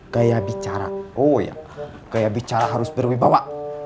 gaya bicara harus berwibawa